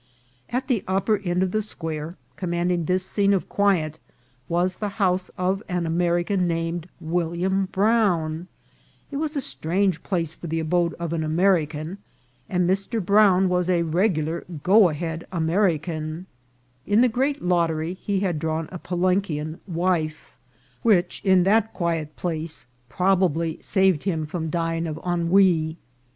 At the upper end of 'the square, commanding this scene of quiet, was the house of an American named William Brown ! It was a strange place for the abode of an American, and Mr. Brown was a regular " go ahead" American. In the great lottery he had drawn a Palenquian wife, which in that quiet place probably saved him from dying of ennui.